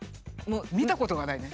見たことがないね。